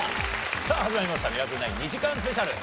さあ始まりました『ミラクル９』２時間スペシャル。